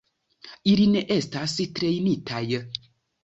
Ili ne estas trejnitaj.